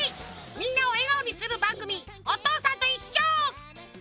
みんなをえがおにするばんぐみ「おとうさんといっしょ」！